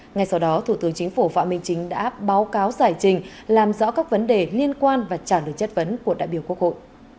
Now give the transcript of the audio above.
ngay sau đó thủ tướng chính phủ phạm minh chính đã báo cáo giải trình làm rõ các vấn đề liên quan và trả lời chất vấn của đại biểu quốc hội